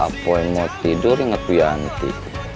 apa yang mau tidur inget ya nanti